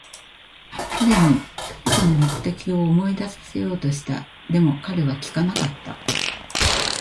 彼に当初の目的を思い出させようとした。でも、彼は聞かなかった。